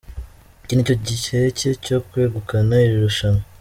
Iki ni cyo gihe cye, cyo kwegukana iri rushanwa.